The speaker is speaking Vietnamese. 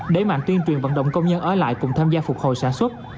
đẩy mạnh tuyên truyền vận động công nhân ở lại cùng tham gia phục hồi sản xuất